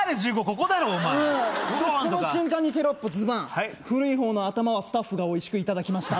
この瞬間にテロップズバン「古い方の頭はスタッフがおいしくいただきました」